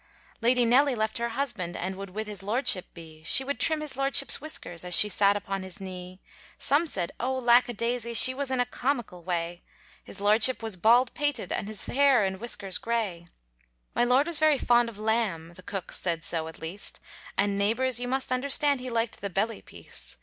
Lady Nelly left her husband, And would with his lordship be, She would trim his lordship's whiskers As she sat upon his knee. Some said oh, lack a daisy, She was in a comical way! His lordship was bald pated, And his hair and whiskers grey. My lord was very fond of lamb, The cook said so at least, And neighbours you must understand He liked the belly piece.